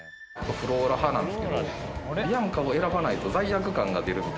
フローラ派なんですけどビアンカを選ばないと罪悪感が出るみたいな。